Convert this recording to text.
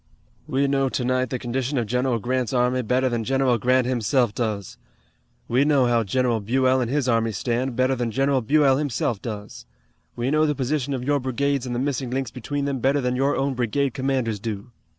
We know tonight the condition of General Grant's army better than General Grant himself does. We know how General Buell and his army stand better than General Buell himself does. We know the position of your brigades and the missing links between them better than your own brigade commanders do."